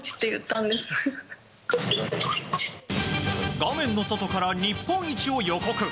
画面の外から日本一を予告。